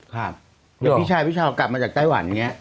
พี่ชายพี่ชาวกลับมาจากไต้หวันอย่างนี้